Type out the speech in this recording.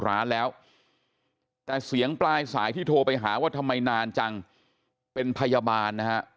ร้านแล้วแต่เสียงปลายสายที่โทรไปหาว่าทำไมนานจังเป็นพยาบาลนะฮะ